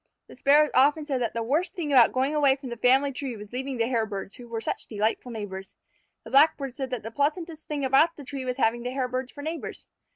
The Sparrows often said that the worst thing about going away from the family tree was leaving the Hairbirds, who were such delightful neighbors. The Blackbirds said that the pleasantest thing about the tree was having the Hairbirds for neighbors.